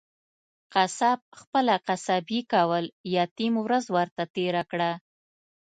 قصاب خپله قصابي کول ، يتيم ورځ ورته تيره کړه.